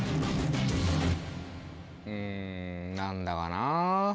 うんなんだかな。